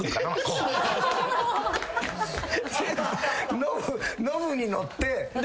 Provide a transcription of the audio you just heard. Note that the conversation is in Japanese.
全部ノブに乗って。